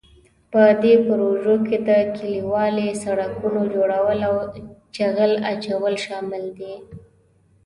په دې پروژو کې د کلیوالي سړکونو جوړول او جغل اچول شامل دي.